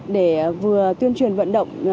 để vừa tuyên truyền vận động